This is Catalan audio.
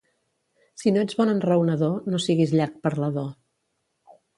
Si no ets bon enraonador, no siguis llarg parlador.